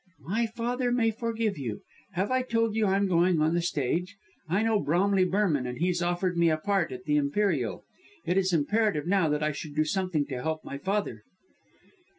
"My father may forgive you. Have I told you I'm going on the stage? I know Bromley Burnham, and he's offered me a part at the Imperial. It is imperative now, that I should do something to help my father."